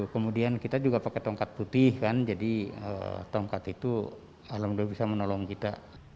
kemudian kita juga pakai tongkat putih kan jadi tongkat itu alhamdulillah bisa menolong kita